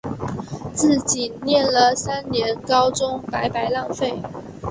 自己念了三年高中白白浪费